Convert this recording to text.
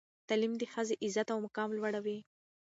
تعلیم د ښځې عزت او مقام لوړوي.